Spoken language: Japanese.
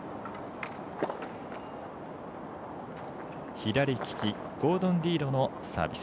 左利きゴードン・リードのサービス。